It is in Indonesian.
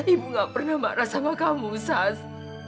ibu nggak pernah marah sama kamu sas